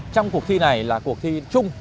trong cuộc thi này là cuộc thi chung